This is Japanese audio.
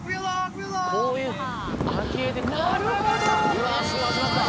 うわっすごい始まった。